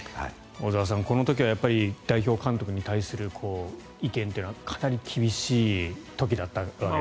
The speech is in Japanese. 小澤さん、この時は代表監督に対する意見というのはかなり厳しい時だったわけですね。